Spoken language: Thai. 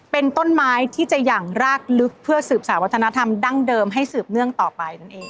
เป็นต้นไม้ที่จะอย่างรากลึกเพื่อสืบสารวัฒนธรรมดั้งเดิมให้สืบเนื่องต่อไปนั่นเอง